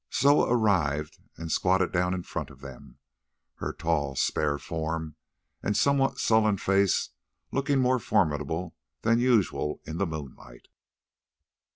Soa arrived and squatted down in front of them, her tall spare form and somewhat sullen face looking more formidable than usual in the moonlight.